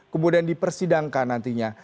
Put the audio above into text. kemudian dipersidangkan nantinya